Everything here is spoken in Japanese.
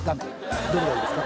どれがいいですか？